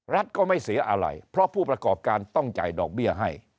รัฐก็ไม่เสียอะไรเพราะผู้ประกอบการต้องจ่ายดอกเบี้ยให้